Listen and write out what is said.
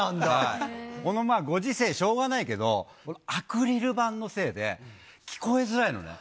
このご時世、しょうがないけど、アクリル板のせいで、聞こえづらいのね。